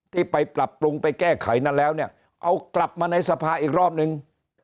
ที่ไปปรับปรุง